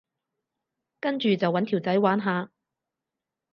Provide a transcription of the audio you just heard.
跟住就搵條仔玩下